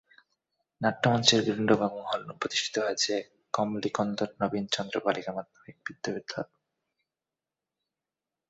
নাট্যমঞ্চের গ্রিনরুম এবং হলরুমে প্রতিষ্ঠিত হয়েছে কমলিকন্দর নবীন চন্দ্র বালিকা মাধ্যমিক বিদ্যালয়।